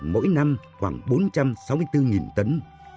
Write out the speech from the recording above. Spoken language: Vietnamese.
mỗi năm khoảng bốn trăm sáu mươi bốn tấn